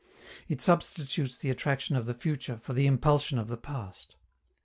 It substitutes the attraction of the future for the impulsion of the past.